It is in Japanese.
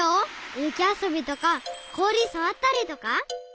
ゆきあそびとかこおりさわったりとか？